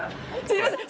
すみません。